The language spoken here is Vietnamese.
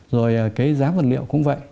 rồi cái giá vật liệu cũng vậy